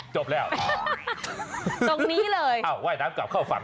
จบแล้วตรงนี้เลยอ้าวว่ายน้ำกลับเข้าฝั่ง